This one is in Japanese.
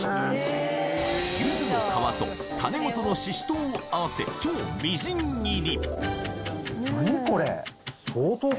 ゆずの皮と種ごとのししとうを合わせ超みじん切り